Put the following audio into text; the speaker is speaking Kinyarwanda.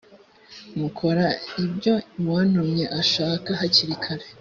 mukora ibyo uwantumye ashaka hakiri kare